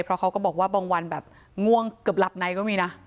เพราะเขาก็บอกว่าบางวันแบบง่วงเกือบหลับในก็มีนะ